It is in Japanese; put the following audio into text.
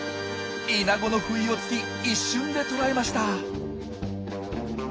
イナゴの不意をつき一瞬で捕らえました。